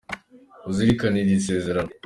Uzirikane iri sezerano.